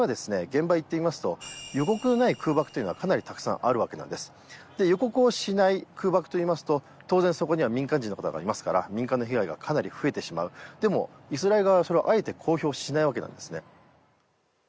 現場へ行ってみますと予告のない空爆というのはかなりたくさんあるわけなんです予告をしない空爆といいますと当然そこには民間人の方がいますから民間の被害がかなり増えてしまうでもイスラエル側はそれをあえて公表しないわけなんですね